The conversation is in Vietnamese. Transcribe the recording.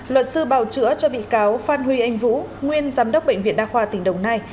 luật sư bào chữa cho bị cáo phan huy anh vũ nguyên giám đốc bệnh viện đa khoa tỉnh đồng nai